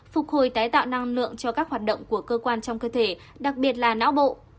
phục hồi tái tạo năng lượng cho các hoạt động của cơ quan trong cơ thể đặc biệt là não bộ